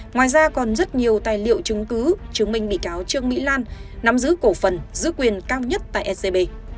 ngoài ra còn rất nhiều tài liệu chứng cứ chứng minh bị cáo trương mỹ lan nắm giữ cổ phần giữ quyền cao nhất tại scb